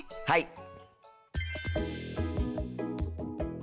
はい。